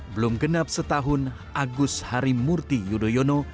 belum genap setahun agus harimurti yudhoyono